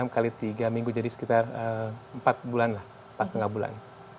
enam kali tiga minggu jadi sekitar empat bulan lah pas setengah bulan